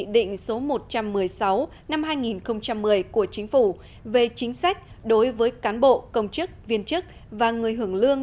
định số một trăm một mươi sáu năm hai nghìn một mươi của chính phủ về chính sách đối với cán bộ công chức viên chức và người hưởng lương